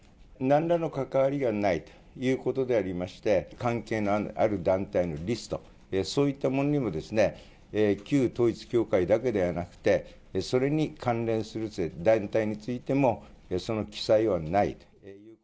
なんらの関わりがないということでありまして、関係のある団体のリスト、そういったものにも、旧統一教会だけではなくて、それに関連する団体についても、その記載はない。